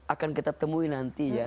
akan kita temui nanti ya